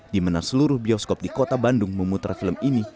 dimana seluruh bioskop di kota bandung memutera film ini